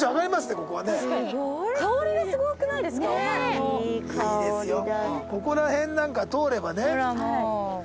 ここら辺なんか通ればね